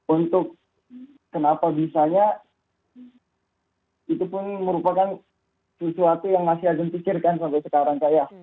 untuk kenapa bisanya itu pun merupakan sesuatu yang masih agen pikirkan sampai sekarang saya